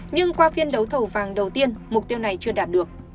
nhưng qua phiên đấu thầu vàng đầu tiên mục tiêu này chưa đạt được